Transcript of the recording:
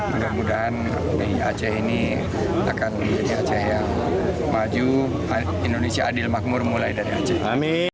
mudah mudahan di aceh ini akan menjadi aceh yang maju indonesia adil makmur mulai dari aceh